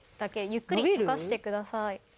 ゆっくりとかしてください。